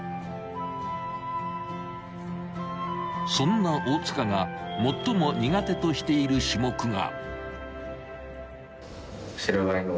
［そんな大塚が最も苦手としている種目が］